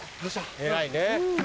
偉いね。